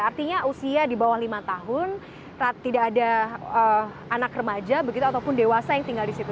artinya usia di bawah lima tahun tidak ada anak remaja begitu ataupun dewasa yang tinggal di situ